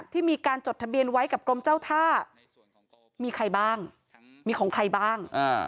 ที่มีการจดทะเบียนไว้กับกรมเจ้าท่ามีใครบ้างมีของใครบ้าง